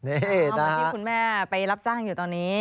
เอามาที่คุณแม่ไปรับจ้างอยู่ตอนนี้